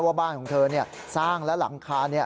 ว่าบ้านของเธอสร้างแล้วหลังคา